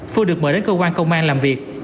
phương được mời đến cơ quan công an làm việc